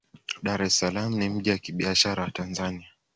dar es salaam ni mji wa kibiashara wa tanzania